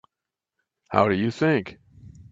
How do you think?